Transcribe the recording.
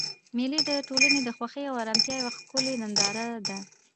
مېلې د ټولنې د خوښۍ او ارامتیا یوه ښکلیه ننداره ده.